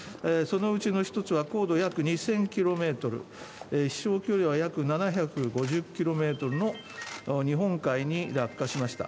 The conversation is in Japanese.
そのうちの一つは高度約２０００キロメートル、飛翔距離は約７５０キロメートル、日本海に落下しました。